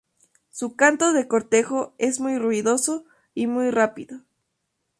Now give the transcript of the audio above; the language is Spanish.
Su canto de cortejo es muy ruidoso y muy rápido.